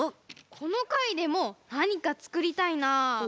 このかいでもなにかつくりたいな。